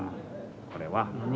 これは。